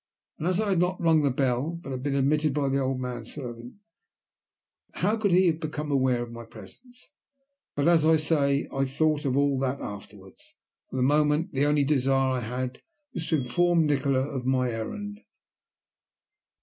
As I had not rung the bell, but had been admitted by the old man servant, how could he have become aware of my presence? But, as I say, I thought of all that afterwards. For the moment the only desire I had was to inform Nikola of my errand.